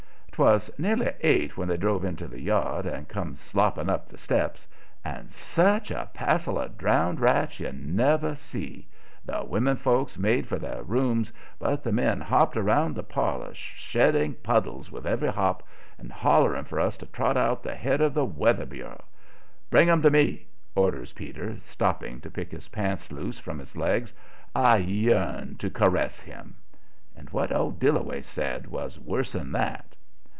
'Twas nearly eight when they drove into the yard and come slopping up the steps. And SUCH a passel of drownded rats you never see. The women folks made for their rooms, but the men hopped around the parlor, shedding puddles with every hop, and hollering for us to trot out the head of the Weather Bureau. "Bring him to me," orders Peter, stopping to pick his pants loose from his legs; "I yearn to caress him." And what old Dillaway said was worse'n that.